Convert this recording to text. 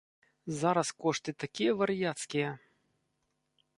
Зараз кошты такія вар'яцкія!